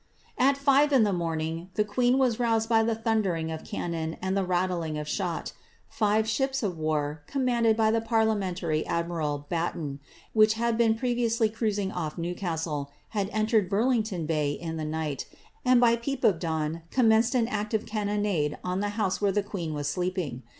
At five in the aominff, the queen was roused by the thundering of ctonon and the rattling of shot Five ships of war, commanded by the parliaoientary admiral, Batten, which had been previously cruising off Newcastle, had entered Burlington Bay in the night, and by peep of dawn commenced an active cannonade on the house where the queen was sleeping.